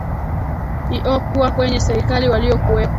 iokuwa kwenye serikali waliokuwepo